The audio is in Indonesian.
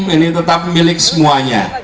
ini tetap milik semuanya